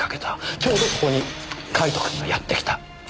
ちょうどそこにカイトくんがやって来た。